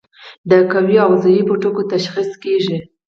د قوي او ضعیفو ټکو تشخیص کیږي.